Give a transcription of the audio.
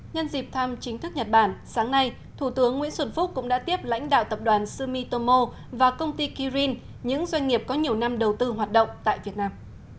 nhân dịp thăm chính thức nhật bản sáng nay thủ tướng nguyễn xuân phúc cũng đã tiếp lãnh đạo tập đoàn sumitomo và công ty kirin những doanh nghiệp có nhiều năm đầu tư hoạt động tại việt nam